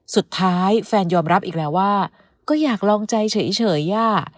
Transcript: แฟนยอมรับอีกแล้วว่าก็อยากลองใจเฉยย่า